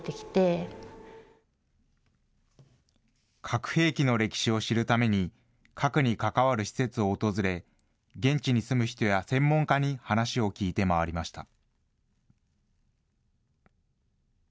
核兵器の歴史を知るために、核に関わる施設を訪れ、現地に住む人や専門家に話を聞いて回りました。